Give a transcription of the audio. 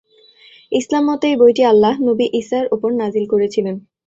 ইসলাম মতে, এই বইটি আল্লাহ নবী ঈসার উপর নাজিল করেছিলেন।